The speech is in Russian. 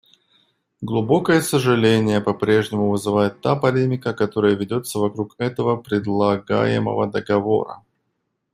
Глубокое сожаление по-прежнему вызывает та полемика, которая ведется вокруг этого предлагаемого договора.